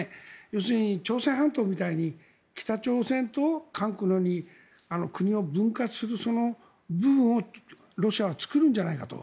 要するに朝鮮半島みたいに北朝鮮と韓国のように国を分割する、その部分をロシアは作るんじゃないかと。